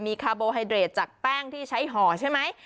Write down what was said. มีคาร์โบไฮเดรดจากแป้งที่ใช้ห่อใช่ไหม